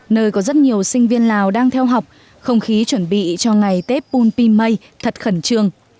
nơi có rất nhiều sinh viên lào đang theo học không khí chuẩn bị cho ngày tết bum pimay thật khẩn trương